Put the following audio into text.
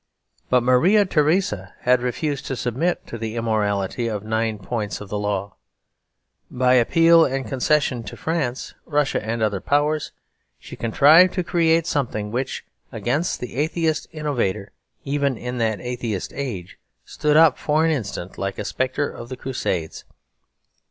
But Maria Theresa had refused to submit to the immorality of nine points of the law. By appeals and concessions to France, Russia, and other powers, she contrived to create something which, against the atheist innovator even in that atheist age, stood up for an instant like a spectre of the Crusades.